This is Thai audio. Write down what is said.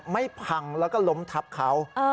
พังแล้วก็ล้มทับเขา